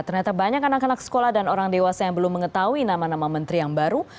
ternyata banyak anak anak sekolah dan orang dewasa yang belum mengetahui nama nama menteri yang baru